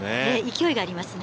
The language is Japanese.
勢いがありますね。